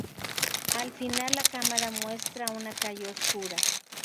Al final la cámara muestra una calle oscura.